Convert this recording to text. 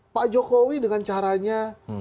pak jokowi dengan caranya